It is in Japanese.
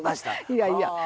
いやいや。